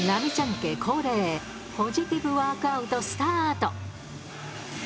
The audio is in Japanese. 家恒例、ポジティブワークアウトスタート。